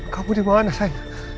kamu dimana say